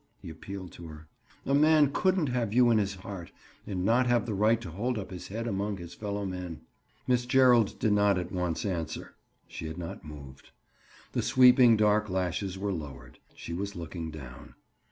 he appealed to her. "A man couldn't have you in his heart and not have the right to hold up his head among his fellow men." Miss Gerald did not at once answer; she had not moved. The sweeping dark lashes were lowered; she was looking down.